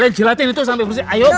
kalian jelatin itu sampe bersih ayo